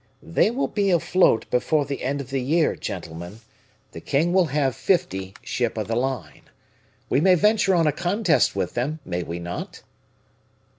"They will be afloat before the end of the year, gentlemen; the king will have fifty ship of the line. We may venture on a contest with them, may we not?"